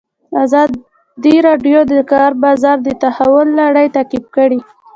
ازادي راډیو د د کار بازار د تحول لړۍ تعقیب کړې.